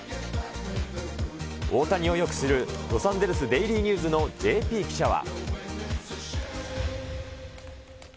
大谷をよく知る、ロサンゼルスデイリーニューズのＪＰ記者は。